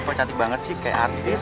lu kok cantik banget sih kayak artis